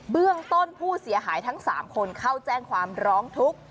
เรื่องต้นผู้เสียหายทั้ง๓คนเข้าแจ้งความร้องทุกข์